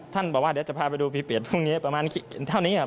ท่านบอกว่าเดี๋ยวจะพาไปดูผีเปรตพรุ่งนี้ประมาณขยัดเท่านี้ครับ